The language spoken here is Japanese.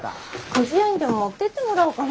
くず屋にでも持ってってもらおうかな。